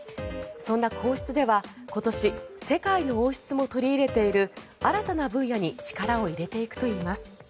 そんな皇室では今年世界の王室も取り入れている新たな分野に力を入れていくといいます。